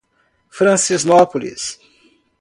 Francinópolis